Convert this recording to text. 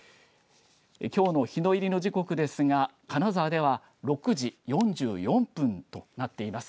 きょうの日の入りの時刻ですが金沢では６時４４分となっています。